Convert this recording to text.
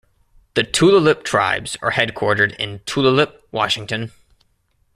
The Tulalip Tribes are headquartered in Tulalip, Washington.